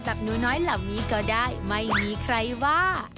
หนูน้อยเหล่านี้ก็ได้ไม่มีใครว่า